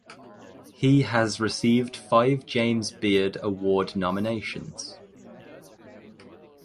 He has received five James Beard Award nominations.